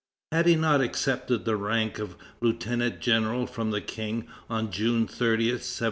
Had he not accepted the rank of lieutenant general from the King, on June 30, 1791?